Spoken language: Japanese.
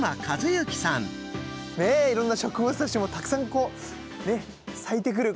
いろんな植物たちもたくさんこうね咲いてくる時期。